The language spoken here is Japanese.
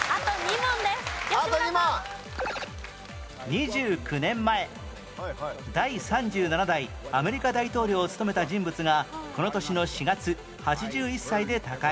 ２９年前第３７代アメリカ大統領を務めた人物がこの年の４月８１歳で他界